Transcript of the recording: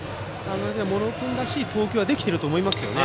茂呂君らしい投球はできていると思います。